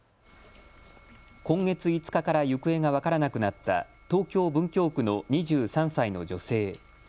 今月５日から行方が分からなくなった東京・文京区の２３歳の女性。